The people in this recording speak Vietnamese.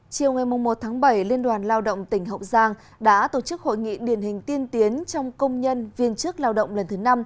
chiều ngày một tháng bảy liên đoàn lao động tỉnh hậu giang đã tổ chức hội nghị điển hình tiên tiến trong công nhân viên chức lao động lần thứ năm